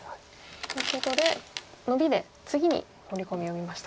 ということでノビで次にホウリコミを見ましたか。